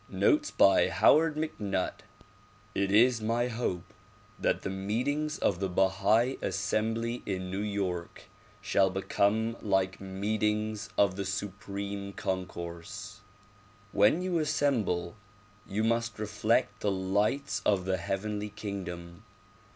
Notes by Howard MacNutt IT is my hope that the meetings of the Bahai Assembly in New York shall become like meetings of the Supreme Concourse. When you assemble you must reflect the lights of the heavenly kingdom.